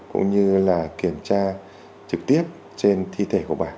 cũng như là kiểm tra trực tiếp trên thi thể của bà